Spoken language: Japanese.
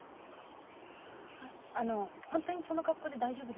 あの本当にその格好で大丈夫ですか？